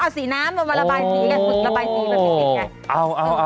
สีน้ำประบายสีกัน